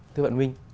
thưa bạn minh